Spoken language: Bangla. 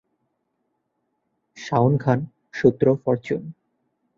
শাওন খান, সূত্র ফরচুন